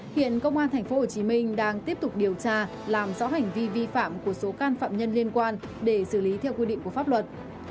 hiện công an tp hcm đang tiếp tục điều tra làm rõ hành vi vi phạm của số can phạm nhân liên quan để xử lý theo quy định của pháp luật